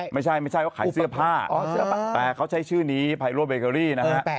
ไม่ใช่ไม่ใช่ว่าขายเสื้อผ้าแต่เขาใช้ชื่อนี้ไพโรเบเกอรี่นะฮะ